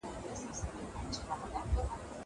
زه کولای سم لوبه وکړم.